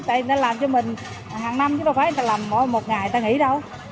tại vì người ta làm cho mình hàng năm chứ đâu phải người ta làm mỗi ngày người ta nghỉ đâu